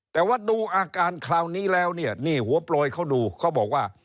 แต่ว่าดูอาการคราวนี้แล้วเนี่ยนี่หัวโปรยเขาดูเขาบอกว่า